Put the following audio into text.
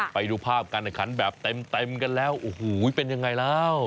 ไปดูภาพการแข่งขันแบบเต็มกันแล้วโอ้โหเป็นยังไงแล้ว